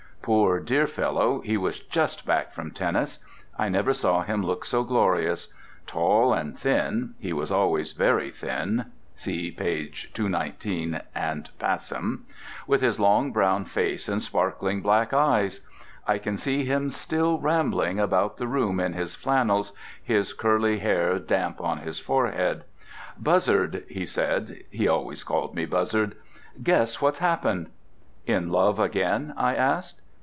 Poor, dear fellow, he was just back from tennis; I never saw him look so glorious. Tall and thin—he was always very thin, see p. 219 and passim—with his long, brown face and sparkling black eyes—I can see him still rambling about the room in his flannels, his curly hair damp on his forehead. "Buzzard," he said—he always called me Buzzard—"guess what's happened?" "In love again?" I asked.